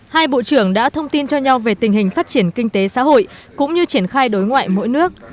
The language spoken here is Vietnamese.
hai bộ trưởng đã thông tin cho nhau về tình hình phát triển kinh tế xã hội cũng như triển khai đối ngoại mỗi nước